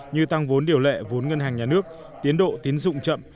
như tăng vốn điều lệ vốn ngân hàng nhà nước tiến độ tín dụng chậm